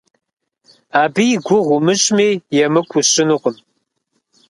Абы и гугъу умыщӏми, емыкӏу усщӏынукъым.